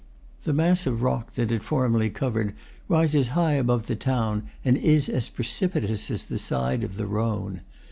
The mass of rock that it formerly covered rises high above the town, and is as precipitous as the side of the Rhone.